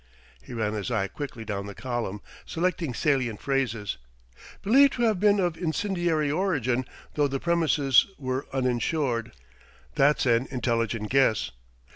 ..." He ran his eye quickly down the column, selecting salient phrases: "'Believed to have been of incendiary origin though the premises were uninsured' that's an intelligent guess!...